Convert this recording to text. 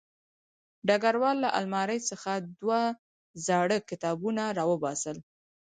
ډګروال له المارۍ څخه دوه زاړه کتابونه راوباسل